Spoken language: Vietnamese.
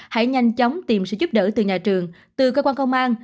hãy nhanh chóng tìm sự giúp đỡ từ nhà trường từ cơ quan công an